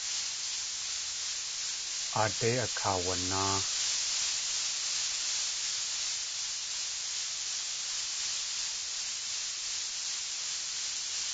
Aadé akaawanáa.